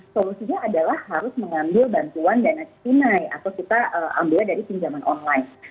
solusinya adalah harus mengambil bantuan dana tunai atau kita ambil dari pinjaman online